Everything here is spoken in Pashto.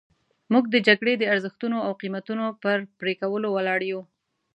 موږ د جګړې د ارزښتونو او قیمتونو پر پرې کولو ولاړ یو.